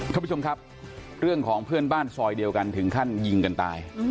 ท่านผู้ชมครับเรื่องของเพื่อนบ้านซอยเดียวกันถึงขั้นยิงกันตาย